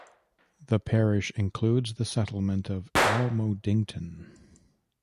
The parish includes the settlement of Almodington.